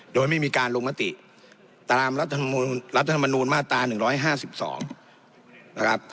โดยไม่มีการลงมติตามรัฐธรรมนูลมาตรา๑๕๒นะครับ